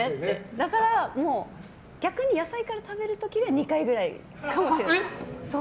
だから、もう逆に野菜から食べる時が２回ぐらいかもしれない。